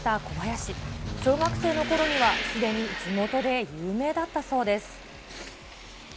小学生のころにはすでに地元で有名だったそうです。